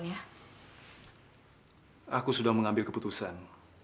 aku sudah mengambil keputusan